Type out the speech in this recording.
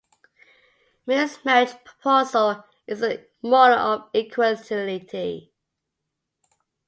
Mill's marriage proposal is a model of equality.